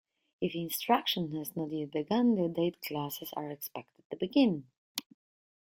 If instruction has not yet begun, the date classes are expected to begin.